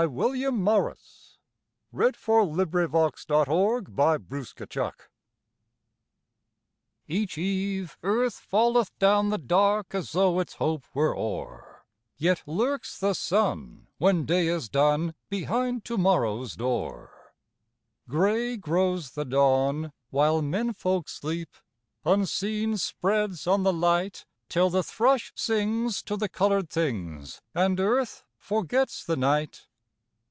JM Embroideries & Collectibles The Day Of Days. By William Morris Each eve earth falleth down the dark, As though its hope were o'er; Yet lurks the sun when day is done Behind to morrow's door. Grey grows the dawn while men folk sleep, Unseen spreads on the light, Till the thrush sings to the coloured things, And earth forgets the night.